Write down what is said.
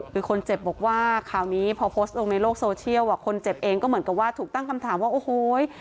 คือคนเจ็บบอกว่าข่าวนี้พอโพสต์ลงในโลกโซเชียลอ่ะคนเจ็บเองก็เหมือนกับว่าถูกตั้งคำถามว่าโอ้โห